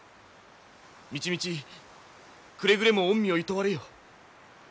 道々くれぐれも御身をいとわれよ。